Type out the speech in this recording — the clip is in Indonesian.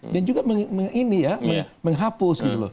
dan juga menghapus